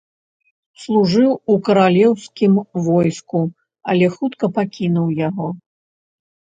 Служыў у каралеўскім войску, але хутка пакінуў яго.